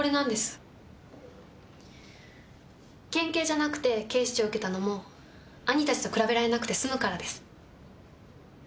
県警じゃなくて警視庁受けたのも兄たちと比べられなくて済むからです。